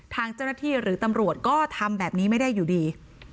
ทางเจ้าหน้าที่หรือตำรวจก็ทำแบบนี้ไม่ได้อยู่ดี